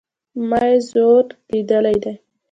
ما ئې زور ليدلى دئ